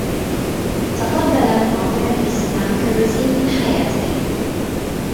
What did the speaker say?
تقبّل فاضل الإسلام كجزء من حياته.